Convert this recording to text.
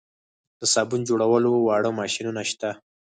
د صابون جوړولو واړه ماشینونه شته